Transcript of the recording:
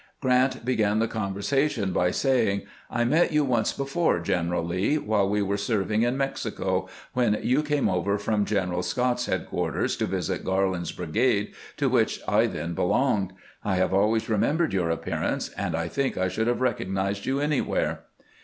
Grant began the conversation by saying :" I met you once before, General Lee, while we were serving in Mexico, when you came over from General Scott's head quarters to visit Garland's brigade, to which I then be longed. I have always remembered your appearance, and I think I should have recognized you anywhere."